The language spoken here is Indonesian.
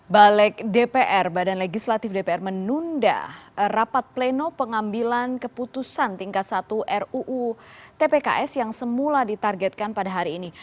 balik dpr badan legislatif dpr menunda rapat pleno pengambilan keputusan tingkat satu ruu tpks yang semula ditargetkan pada hari ini